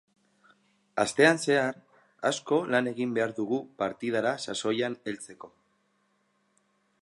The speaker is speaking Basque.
Astean zehar asko lan egin behar dugu partidara sasoian heltzeko.